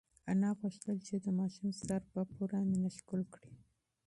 انا غوښتل چې د ماشوم سر په پوره مینه ښکل کړي.